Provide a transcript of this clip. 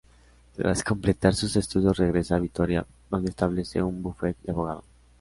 Tras completar sus estudios regresa a Vitoria donde establece un bufete de abogado.